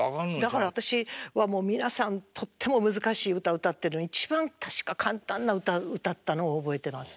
だから私はもう皆さんとっても難しい歌歌ってるのに一番確か簡単な歌歌ったのを覚えてます。